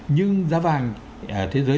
nhưng giá vàng thế giới